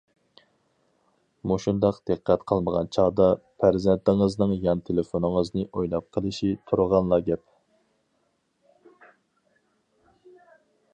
مۇشۇنداق دىققەت قىلمىغان چاغدا پەرزەنتىڭىزنىڭ يان تېلېفونىڭىزنى ئويناپ قېلىشى تۇرغانلا گەپ.